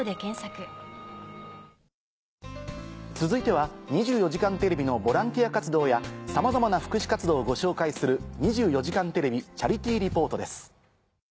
続いては『２４時間テレビ』のボランティア活動やさまざまな福祉活動をご紹介する。